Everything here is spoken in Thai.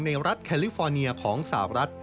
รัฐแคลิฟอร์เนียของสาวรัฐ